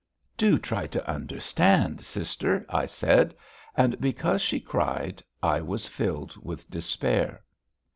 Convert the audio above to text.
"Do try to understand, sister!" I said, and because she cried I was filled with despair.